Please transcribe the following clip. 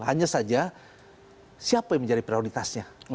hanya saja siapa yang menjadi prioritasnya